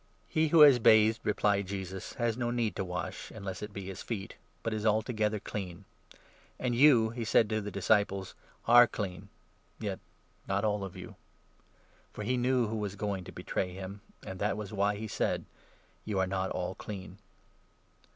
"He who has bathed," replied Jesus, "has no need to 10 wash, unless it be his feet, but is altogether clean ; and you," he said to the disciples, "are clean, yet not all of you." For he knew who was going to betray him, and that u was why he said 'You are not all clean.'